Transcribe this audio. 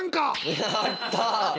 やった！